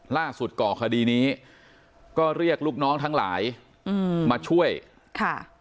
ก่อคดีนี้ก็เรียกลูกน้องทั้งหลายอืมมาช่วยค่ะ